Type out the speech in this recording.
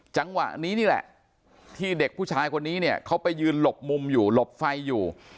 จังหวะนี้นี่แหละที่เด็กผู้ชายคนนี้เนี่ยเขาไปยืนหลบมุมอยู่หลบไฟอยู่